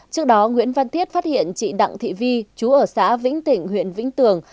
trước đó nguyễn văn thiết phát hiện chị đặng thị vi trú ở xã vĩnh tỉnh huyện vĩnh tường